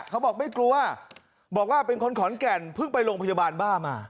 เขาบอกไม่กลัวบอกว่าเป็นคนขอนแก่นเพิ่งไปโรงพยาบาลบ้ามา